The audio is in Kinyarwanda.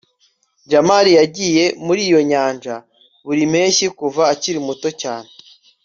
jamali yagiye muri iyo nyanja buri mpeshyi kuva akiri muto cyane